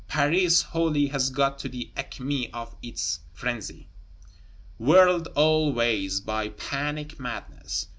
Paris wholly has got to the acme of its frenzy; whirled, all ways, by panic madness.